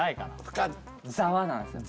深「ざわ」なんすよ